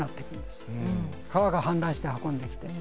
川が氾濫して運んできて。